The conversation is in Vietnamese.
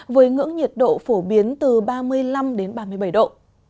với ngưỡng nhiệt độ phổ biến từ ba mươi năm đến ba mươi bảy độ